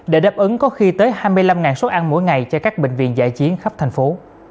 để đáp ứng có khi tới hai mươi năm suất ăn mỗi ngày cho các bệnh viện giải chiến khắp thành phố